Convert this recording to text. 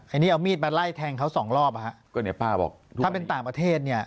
อันนี้เอามีดมาไล่แทงเขาสองรอบถ้าเป็นต่างประเทศ